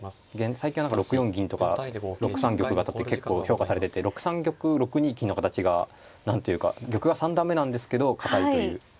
最近は何か６四銀とか６三玉型って結構評価されてて６三玉６二金の形が何というか玉が三段目なんですけど堅いという。